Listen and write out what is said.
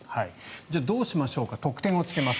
じゃあどうしましょうか特典をつけます。